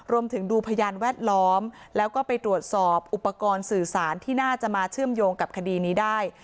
ดูพยานแวดล้อมแล้วก็ไปตรวจสอบอุปกรณ์สื่อสารที่น่าจะมาเชื่อมโยงกับคดีนี้ได้